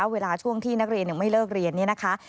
เวลาช่วงที่นักเรียนยังไม่เลิกเรียนนี่นะคะ